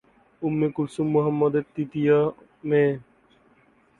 Umme Kulthum মুহাম্মাদের তৃতীয় মেয়ে।